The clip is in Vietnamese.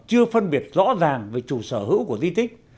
chưa phân biệt rõ ràng về chủ sở hữu của di tích